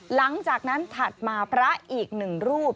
หลังจากนั้นถัดมาพระอีกหนึ่งรูป